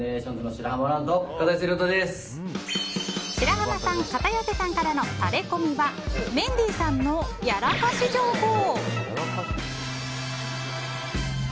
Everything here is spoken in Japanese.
白濱さん、片寄さんからのタレコミはメンディーさんのやらかし情報。